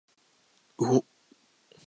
うお